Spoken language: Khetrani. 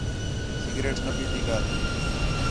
سگریٹ نہ پینی کر